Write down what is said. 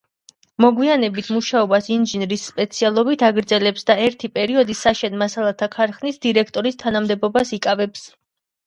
მოგვიანებით მუშაობას ინჟინრის სპეციალობით აგრძელებს და ერთი პერიოდი საშენ მასალათა ქარხნის დირექტორის თანამდებობას იკავებს.